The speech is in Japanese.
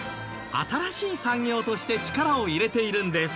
新しい産業として力を入れているんです。